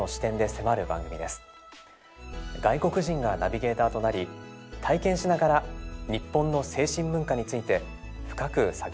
外国人がナビゲーターとなり体験しながら日本の精神文化について深く探っていきます。